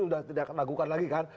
udah tidak akan dilakukan lagi kan